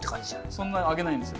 そんなあげないんですよ。